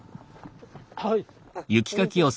はい。